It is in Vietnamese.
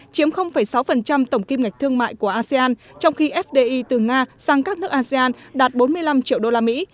chiếm sáu tổng kim ngạch thương mại của asean trong khi fdi từ nga sang các nước asean đạt bốn mươi năm triệu usd